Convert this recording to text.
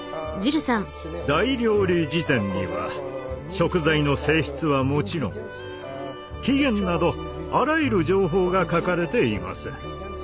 「大料理事典」には食材の性質はもちろん起源などあらゆる情報が書かれています。